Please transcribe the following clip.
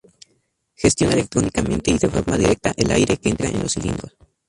Gestiona electrónicamente y de forma directa el aire que entra en los cilindros.